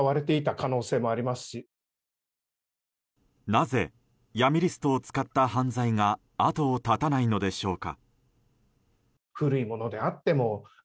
なぜ闇リストを使った犯罪が後を絶たないのでしょうか。